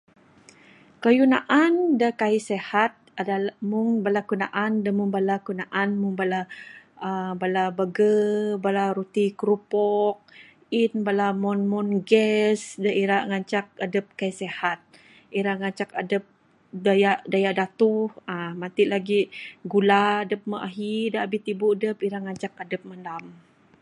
Kayuh naan da kai'k sehat, adalah mung bala kayuh naan, da mung bala kayuh naan mung bala, aa.. mung bala burger, bala ruti kerupok, enn bala mon mon gas, da ira ngancak adup kai sehat. Ira ngancak adup dayak, dayak datuh. Aa.. matik lagi'k gula dup moh ahi da abih tibu adup irak ngancak adup mandam.